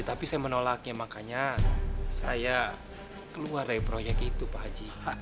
tapi saya menolaknya makanya saya keluar dari proyek itu pak haji